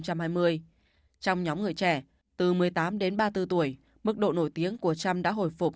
trong nhóm người trẻ từ một mươi tám đến ba mươi bốn tuổi mức độ nổi tiếng của trump đã hồi phục